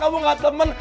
kamu gak temen